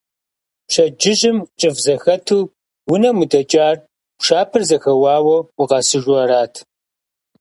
Пщэдджыжьым, кӀыфӀ зэхэту унэм удэкӀар, пшапэр зэхэуауэ укъэсыжу арат.